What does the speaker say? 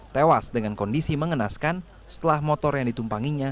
tewas dengan kondisi mengenaskan setelah motor yang ditumpanginya